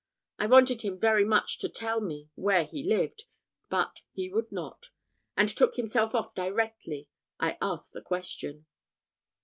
I wanted him very much to tell me where he lived, but he would not; and took himself off directly I asked the question."